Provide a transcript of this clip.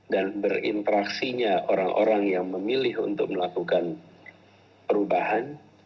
dan berinteraksinya orang orang yang memilih untuk melakukan perubahan